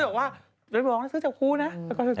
ครูก็จะบอกว่า